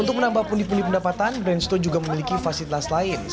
untuk menambah pundi pundi pendapatan branch toe juga memiliki fasilitas penitipan kuda